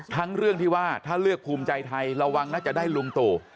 เรื่องที่ว่าถ้าเลือกภูมิใจไทยระวังนะจะได้ลุงตู่